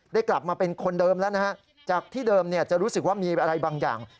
กลับมาเป็นคนเดิมแล้วนะฮะจากที่เดิมจะรู้สึกว่ามีอะไรบางอย่าง